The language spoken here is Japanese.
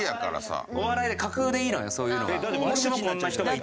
お笑いで架空でいいのよそういうのは。